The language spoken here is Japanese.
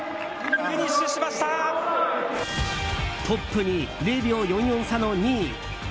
トップに０秒４４差の２位。